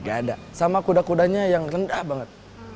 gak ada sama kuda kudanya yang rendah banget